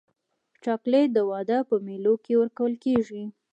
چاکلېټ د واده په مېلو کې ورکول کېږي.